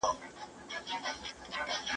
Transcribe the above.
موږ مین په رڼا ګانو؛ خدای راکړی دا نعمت دی